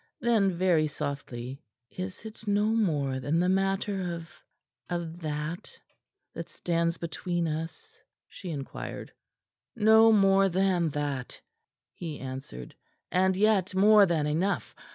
Then very softly: "Is it no more than the matter of of that, that stands between us?" she inquired. "No more than that," he answered, "and yet more than enough.